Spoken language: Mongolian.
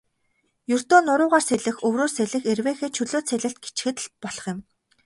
Ердөө нуруугаар сэлэх, өврөөр сэлэх, эрвээхэй, чөлөөт сэлэлт гэчихэд л болох юм.